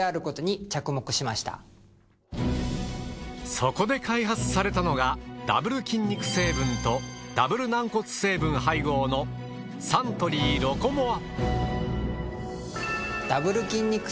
そこで開発されたのがダブル筋肉成分とダブル軟骨成分配合のサントリーロコモア。